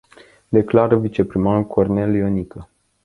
Declară viceprimarul Cornel Ionică.